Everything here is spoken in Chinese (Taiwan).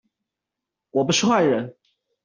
我不是壞人